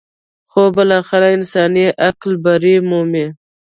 خو بالاخره انساني عقل برۍ مومي.